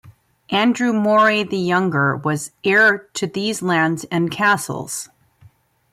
Andrew Moray the younger was heir to these lands and castles.